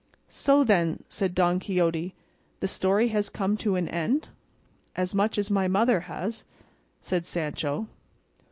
"So, then," said Don Quixote, "the story has come to an end?" "As much as my mother has," said Sancho.